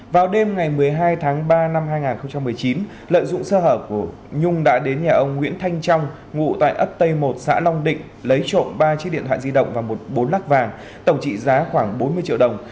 vào đêm ngày một mươi hai tháng ba năm hai nghìn một mươi chín lợi dụng sơ hở của nhung đã đến nhà ông nguyễn thanh trong ngụ tại ấp tây một xã long định lấy trộm ba chiếc điện thoại di động và một bốn lắc vàng tổng trị giá khoảng bốn mươi triệu đồng